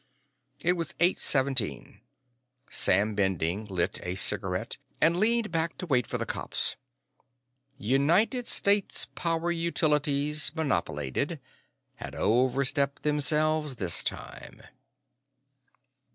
It was eight seventeen. Sam Bending lit a cigarette and leaned back to wait for the cops. United States Power Utilities, Monopolated, had overstepped themselves this time.